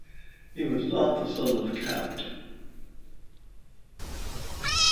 He was the son of Capt.